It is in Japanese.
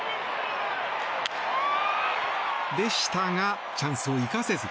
でしたがチャンスを生かせず。